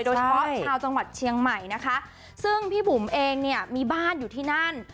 โดยเฉพาะชาวจังหวัดเชียงใหม่นะคะซึ่งพี่บุ๋มเองเนี่ยมีบ้านอยู่ที่นั่น